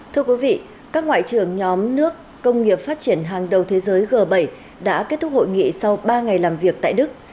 thưa quý vị các ngoại trưởng nhóm nước công nghiệp phát triển hàng đầu thế giới g bảy đã kết thúc hội nghị sau ba ngày làm việc tại đức